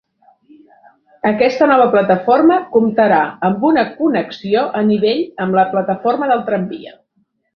Aquesta nova plataforma comptarà amb una connexió a nivell amb la plataforma del tramvia.